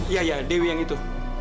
iya ya dewi yang itu